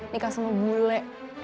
nikah sama bule